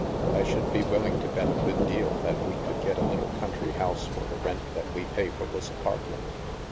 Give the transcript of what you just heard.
" I should be willing to bet a good deal that we could get a little country house for the rent that we pay for this apartment."